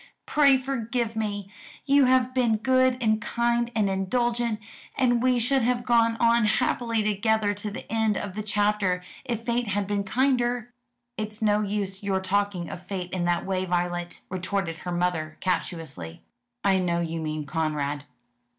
"Pray forgive me! You have been good and kind and indulgent, and we should have gone on happily together to the end of the chapter, if fate had been kinder." "It's no use your talking of fate in that way, Violet," retorted her mother captiously. "I know you mean Conrad."